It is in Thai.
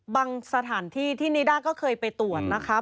สถานที่ที่นิด้าก็เคยไปตรวจนะคะ